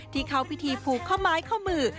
ที่เข้าพิธีภูเข้าไม้เข้ามือ